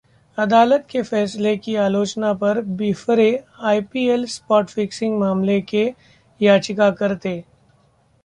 अदालत के फैसले की आलोचना पर बिफरे आईपीएल स्पॉट फिक्सिंग मामले के याचिकाकर्ता